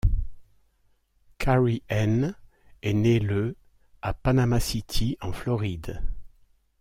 Carrie Henn est née le à Panama City en Floride.